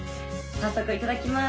早速いただきます